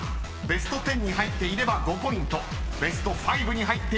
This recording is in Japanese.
［ベスト５に入っていれば１０ポイントです］